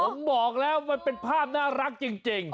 ผมบอกแล้วมันเป็นภาพน่ารักจริง